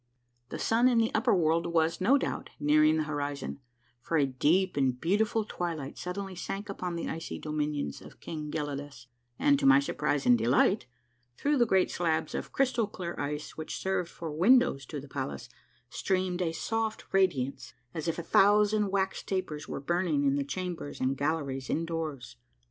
The sun in the upper world was, no doubt, nearing the horizon, for a deep and beautiful twilight suddenly sank upon the icy dominions of King Gelidus, and, to my surprise and delight, through the great slabs of crystal clear ice which served for windows to the palace, streamed a soft radiance as if a thousand wax tapers were burning in the chambers and galleries in doors.